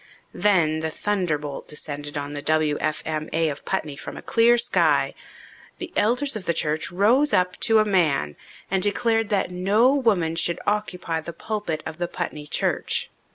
Then the thunderbolt descended on the W.F.M.A. of Putney from a clear sky. The elders of the church rose up to a man and declared that no woman should occupy the pulpit of the Putney church.